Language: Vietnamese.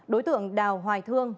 đối tượng đào hoài thương